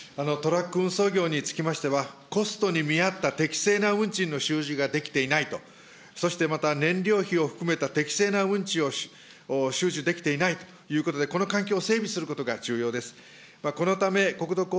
トラック運送業につきましては、コストに見合った適正な運賃の周知ができていないと、そしてまた燃料費を含めた適正な運賃を収受できていないということで、この環境を整備することが重要です。